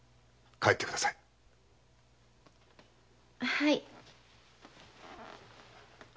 はい。